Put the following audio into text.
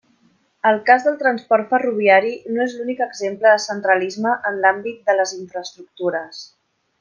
El cas del transport ferroviari no és l'únic exemple de centralisme en l'àmbit de les infraestructures.